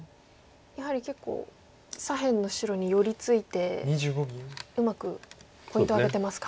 やはり結構左辺の白に寄り付いてうまくポイントを挙げてますか。